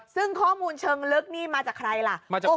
ซึ่งข้อมูลเชิงลึกนี่มาจากใครล่ะ